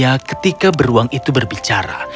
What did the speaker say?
mereka berhenti berteriak ketika beruang itu berbicara